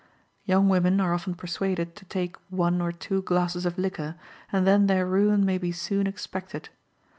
Young women are often persuaded to take one or two glasses of liquor, and then their ruin may be soon expected.